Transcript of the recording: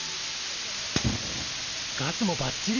ガスもばっちり。